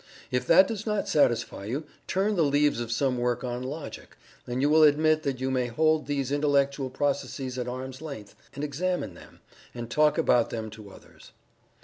If that does not satisfy you, turn the leaves of some work on Logic, and you will admit that you may hold these intellectual processes at arm's length and examine them, and talk about them to others.